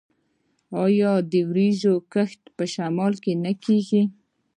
آیا د وریجو کښت په شمال کې نه کیږي؟